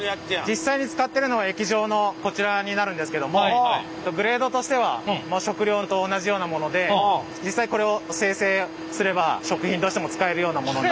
実際に使ってるのは液状のこちらになるんですけどもグレードとしては食料と同じようなもので実際これを精製すれば食品としても使えるようなものになってます。